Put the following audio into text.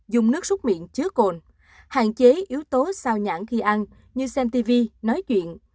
dùng nước xúc miệng chứa cồn hạn chế yếu tố sao nhãn khi ăn như xem tv nói chuyện